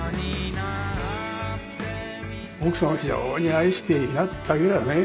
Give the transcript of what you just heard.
奥さんを非常に愛していなったようやね。